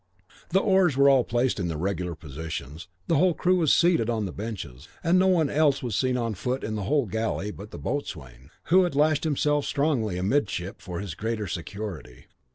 The oars were all placed in their regular positions, the whole crew was seated on the benches, and no one else was seen on foot in the whole galley but the boatswain, who had lashed himself strongly amidship for his greater security.